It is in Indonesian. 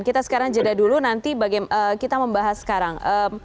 kita sekarang jeda dulu nanti kita membahas sekarang